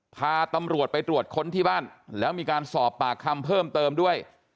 พาตำรวจไปตรวจค้นที่บ้านแล้วมีการสอบปากคำเพิ่มเติมด้วย